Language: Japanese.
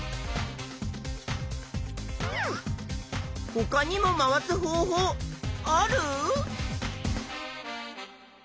ほかにも回す方法ある？